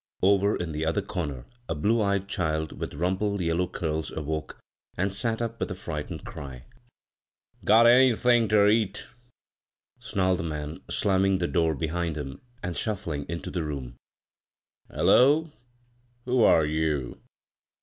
Over in the other comer'a blue eyed child with rumpled yellow curls awoke, and sat up with a frightened cry. .41 bvGo6g[c CROSS CURRENTS "Got anythin' ter eat?" snarled the man, slamming the door behind him, and shufBing into the room. "Hullol Who are you?"